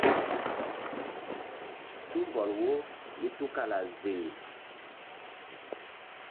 Tumbɔl wo mí tukala ziŋ.